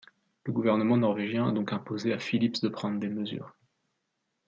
Le gouvernement norvégien a donc imposé à Phillips de prendre des mesures.